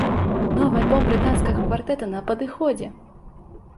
Новы альбом брытанскага квартэта на падыходзе!